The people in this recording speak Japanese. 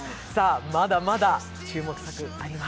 まだまだ注目作あります。